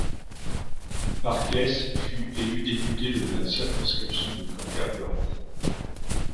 Parkes fut élu député de la circonscription de Canterbury.